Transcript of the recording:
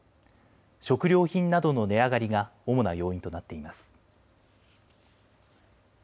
食料品などの値上がりが主な要因となっています。